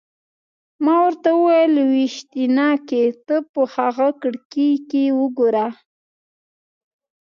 ما ورته وویل: لویشتينکې! ته په هغه کړکۍ کې وګوره.